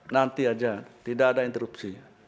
nanti aja tidak ada interupsi